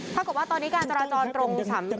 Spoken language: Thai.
ถ้าคิดว่าตอนนี้การธรรมจรตรอง